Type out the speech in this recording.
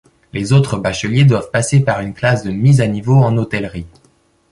Les autres bacheliers doivent passer par une classe de mise à niveau en hôtellerie.